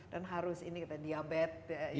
dan harus ini kita diabetes